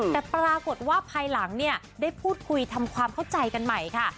แต่ปรากฏว่าภายหลังเนี่ยได้พูดคุยทำความเข้าใจกันใหม่ค่ะ